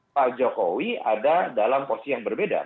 pak jokowi ada dalam posisi yang berbeda